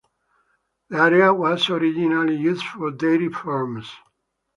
The area was originally used for dairy farms.